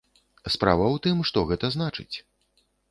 Справа ў тым, што гэта значыць?